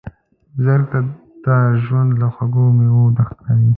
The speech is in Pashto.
بزګر ته ژوند له خوږو میوو ډک ښکاري